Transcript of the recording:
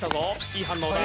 いい反応だ。